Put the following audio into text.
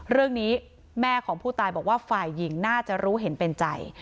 เรื่องนี้แม่ของผู้ตายบอกว่าฝ่ายหญิงน่าจะรู้เห็นเป็นใจ